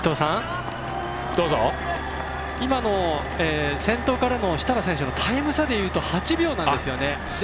今の先頭からの設楽選手のタイム差でいうと８秒なんですよね。